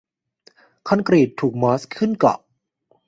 คอนกรีตถูกมอสขึ้นเกาะ